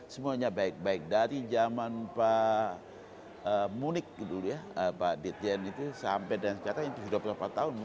semuanya baik baik dari zaman pak munik dulu ya pak dtn itu sampai sekarang sudah berapa tahun